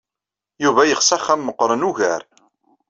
Yuba yeɣs axxam meɣɣren ugar.